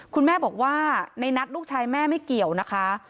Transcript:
คุณแม่บอกว่าในนัดลูกชายแม่ไม่เกี่ยวนะคะ